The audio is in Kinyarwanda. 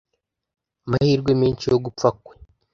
amahirwe menshi yo gupfa kwe